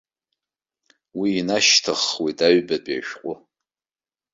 Уи инашьҭаххуеит аҩбатәи ишәҟәы.